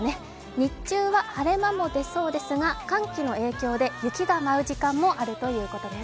日中は晴れ間も出そうですが寒気の影響で雪が舞う時間もあるということです。